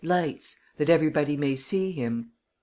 lights! that everybody may see him!